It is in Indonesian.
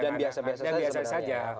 dan biasa biasa saja